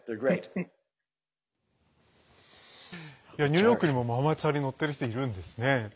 ニューヨークにもママチャリ乗ってる人いるんですね。